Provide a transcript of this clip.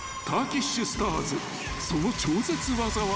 ［その超絶技は］